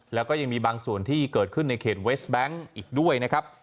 แล้วก็ยังมีบางส่วนที่เกิดขึ้นในเขตเวสแบงค์อีกด้วยนะครับ